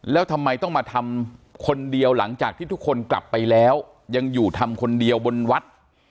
แล้วทำไมต้องมาทำคนเดียวหลังจากที่ทุกคนกลับไปแล้วยังอยู่ทำคนเดียวบนวัด